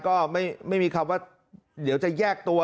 ก็ไม่มีคำว่าเดี๋ยวจะแยกตัว